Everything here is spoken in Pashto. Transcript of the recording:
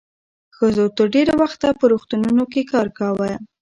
ښځو تر ډېره وخته په روغتونونو کې کار کاوه.